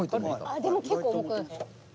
あでも結構重く。